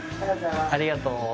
ありがとう。